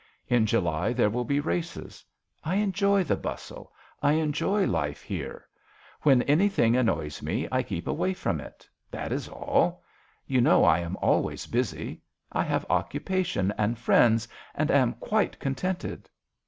In July there will be races. I enjoy the bustle. I enjoy life here. When anything annoys me I keep away from it, that is all. You know I am always busy. I have occupation and friends and am quite contented."